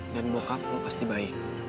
dan bokap lo pasti baik